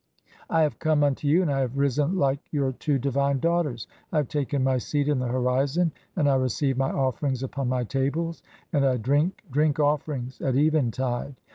I have come unto you, and I have risen like your "two divine daughters. I have taken my seat in the (i3) horizon, "and I receive my offerings upon my tables, and I drink drink offerings at eventide.